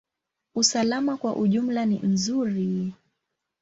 Usalama kwa ujumla ni nzuri.